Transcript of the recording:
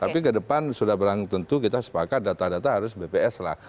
tapi kedepan sudah berang tentu kita sepakat data data harus bps lah